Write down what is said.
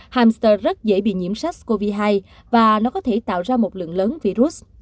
hamster rất dễ bị nhiễm sars cov hai và nó có thể tạo ra một lượng lớn virus